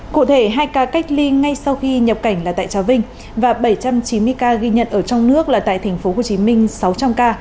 cụ thể hai ca cách ly ngay sau khi nhập cảnh là tại trà vinh và bảy trăm chín mươi ca ghi nhận ở trong nước là tại tp hcm sáu trăm linh ca